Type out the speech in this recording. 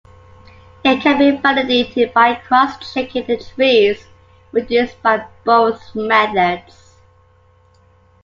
It can be validated by cross-checking the trees produced by both methods.